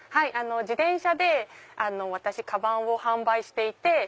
自転車で私カバンを販売していて。